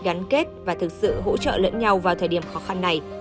gắn kết và thực sự hỗ trợ lẫn nhau vào thời điểm khó khăn này